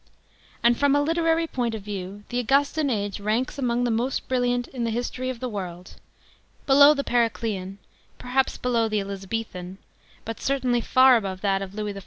And, from a literary point of view, the Augustan age ranks among the most brilliant in the history of the world; below the Periclcan, perhaps below the Elizabethan, but certainly far above that of Louis XIV.